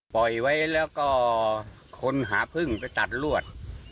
ปล่อยไว้แล้วก็คนหาพึ่งไปตัดลวด